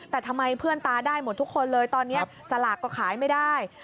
แต่ทำไมเพื่อนตาได้หมดทุกคนเลยตอนนี้สลากก็ขายไม่ได้